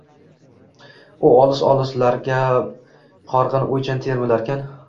U olis-olislarga horg‘in, o‘ychan termilarkan: